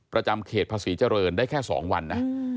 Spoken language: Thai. ประจำเขตภาษีเจริญได้แค่๒วันนะ